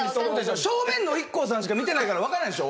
正面のＩＫＫＯさんしか見てないからわからないでしょ。